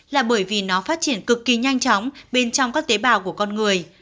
là bởi vì nó phát triển cực kỳ nhanh chóng bên trong các tế bào của con người